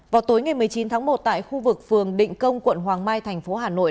vào tối ngày một mươi chín tháng một tại khu vực phường định công quận hoàng mai thành phố hà nội